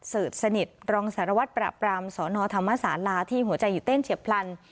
สนิทสนิทรองสารวัตรปราบรามสนธรรมศาลาที่หัวใจหยุดเต้นเฉียบพลัน